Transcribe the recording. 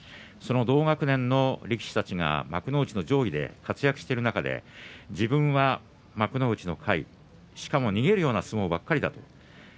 同学年の力士たちが幕内上位で活躍している中で自分は幕内の下位しかも逃げるような相撲ばかりだった。